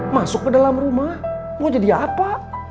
masuk ke dalam rumah mau jadi apa